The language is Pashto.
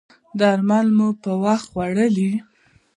درمل مو په وخت خورئ؟